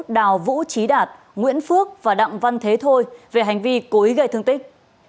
đào vũ trí đạt nguyễn phước và đặng văn thế thôi về hành vi cố ý gây thương tích